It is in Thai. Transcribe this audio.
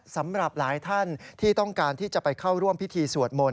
สำหรับหลายท่านที่ต้องการที่จะไปเข้าร่วมพิธีสวดมนต